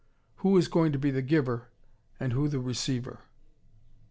Who is going to be the giver and who the receiver.